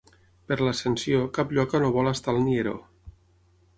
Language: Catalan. Per l'Ascensió, cap lloca no vol estar al nieró.